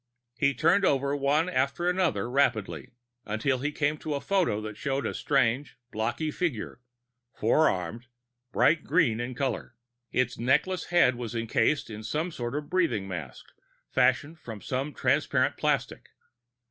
He turned over one after another rapidly until he came to a photo that showed a strange blocky figure, four armed, bright green in color. Its neckless head was encased in a sort of breathing mask fashioned from some transparent plastic.